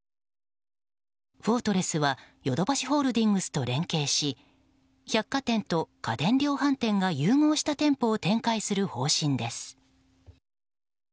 フォートレスはヨドバシホールディングスと連携し百貨店と家電量販店が融合した店舗を展開する方針です。